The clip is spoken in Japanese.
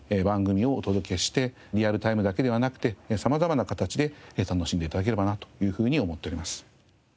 番組をお届けしてリアルタイムだけではなくて様々な形で楽しんで頂ければなというふうに思っております。